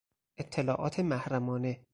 اطلاعات محرمانه